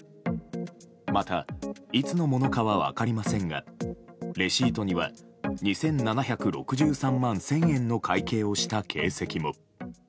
また、いつのものかは分かりませんがレシートには２７６３万１０００円の会計をした形跡も。